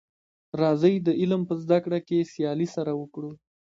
راځی د علم په زده کړه کي سیالي سره وکړو.